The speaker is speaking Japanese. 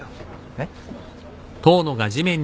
えっ？